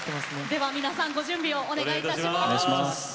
では皆さんご準備をお願いいたします。